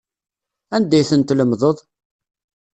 Anda ay tent-tlemdeḍ?